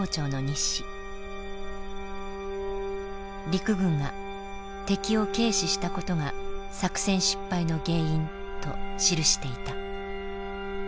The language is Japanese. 陸軍が敵を軽視したことが作戦失敗の原因と記していた。